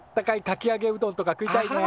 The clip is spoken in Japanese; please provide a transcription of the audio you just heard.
かきあげうどんとか食いたいね。